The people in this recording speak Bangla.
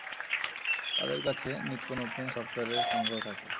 তাদের কাছে নিত্য নতুন সফটওয়্যারের সংগ্রহ থাকে।